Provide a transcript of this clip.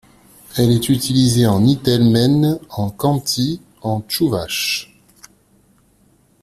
Elle est utilisée en itelmène, en khanty, en tchouvache.